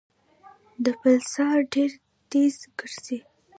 د پلسار ډېر تېز ګرځي.